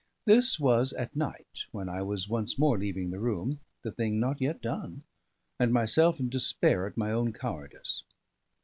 This was at night, when I was once more leaving the room, the thing not yet done, and myself in despair at my own cowardice.